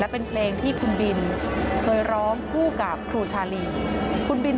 เป็นเพลงที่เป็นคุณบิลเคยร้องพูดกับครูชาลี